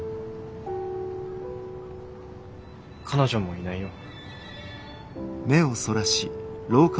彼女もいないよ。